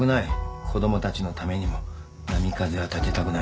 子供たちのためにも波風は立てたくない。